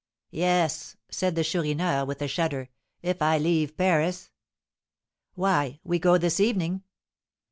"Yes," said the Chourineur, with a shudder, "if I leave Paris!" "Why, we go this evening!"